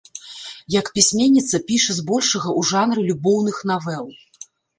Як пісьменніца піша з большага ў жанры любоўных навел.